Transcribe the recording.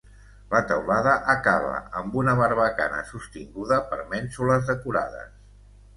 La teulada acaba amb una barbacana sostinguda per mènsules decorades.